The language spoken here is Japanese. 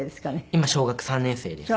今小学３年生です。